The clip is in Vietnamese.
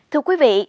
thưa quý vị